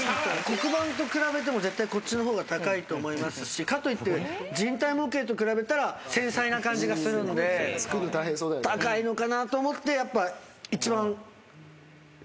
黒板と比べても絶対こっちの方が高いと思いますしかといって人体模型と比べたら繊細な感じがするので高いのかなと思ってやっぱ一番適してるの。